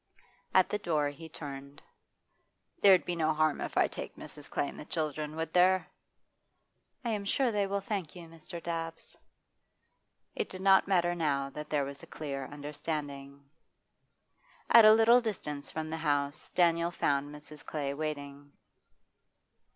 At the door he turned. 'There'd be no harm if I take Mrs. Clay and the children, would there?' 'I am sure they will thank you, Mr. Dabbs.' It did not matter now that there was a clear understanding. At a little distance from the house door Daniel found Mrs. Clay waiting.